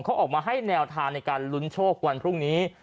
เขาออกมาให้แนวทางในการลุ้นโชควันพรุ่งนี้